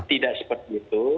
tidak seperti itu